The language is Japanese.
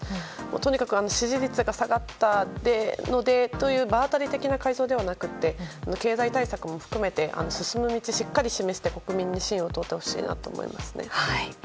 とにかく支持率が下がったのでという場当たり的な改造ではなくて経済対策も含めて進む道をしっかり示して、国民に信を問うてほしいなと思いますね。